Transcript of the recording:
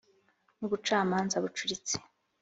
n’ubucamanza bucuritse